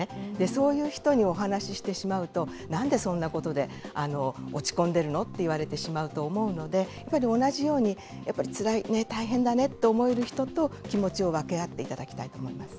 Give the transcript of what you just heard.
そういう人にお話ししてしまうと、なんでそんなことで落ち込んでいるのって言われてしまうと思うので、やはり同じように、やっぱりつらい、大変だねって思える人と、気持ちを分け合っていただきたいと思います。